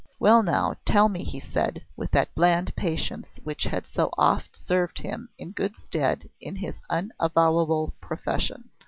"Well, now, tell me," he said, with that bland patience which had so oft served him in good stead in his unavowable profession.